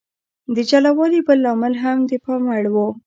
د جلا والي بل لامل هم د پام وړ و.